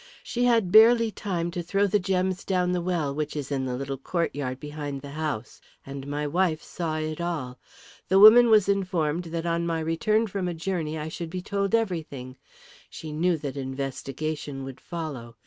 She had barely time to throw the gems down the well which is in the little courtyard behind the house, and my wife saw it all. The woman was informed that on my return from a journey I should be told everything. She knew that investigation would follow.